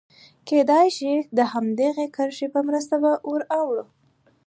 کېدای شي د هماغې کرښې په مرسته به ور اوړو.